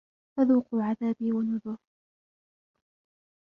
فَذُوقُوا عَذَابِي وَنُذُرِ